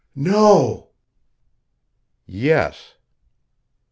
"No!" "Yes."